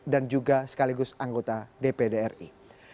dan juga sekaligus anggota dpr ri